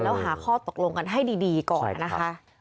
แล้วหาข้อตกลงกันให้ดีก่อนนะคะ